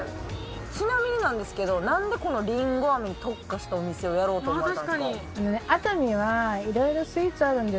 ちなみになんですけどなんでりんご飴に特化したお店をやろうと思われたんですか？